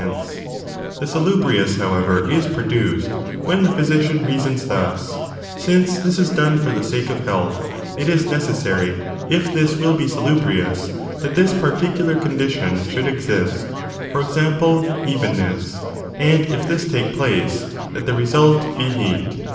Exempiiflca Th® salubrious, howovor, is produced when the tton, too, ofthe physician reasons thus: since this is done for pie*Si^ach of the sako of health, it is necessary, if this will be *i»e«e. salubrious, that this particular condition should exist; for example, evenness, and, if this take place, that the result be heat.